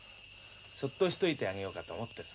そっとしといてあげようかと思ってさ。